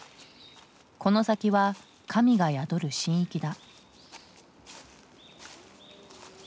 この先は神が宿る神域だ。